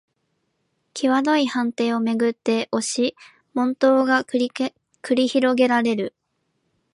きわどい判定をめぐって押し問答が繰り広げられる